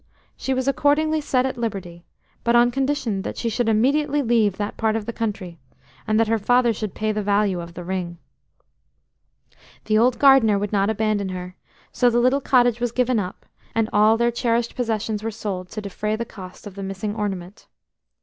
She was accordingly set at liberty, but on condition that she should immediately leave that part of the country, and that her father should pay the value of the ring. The old gardener would not abandon her, so the little cottage was given up, and all their cherished possessions were sold to defray the cost of the missing ornament.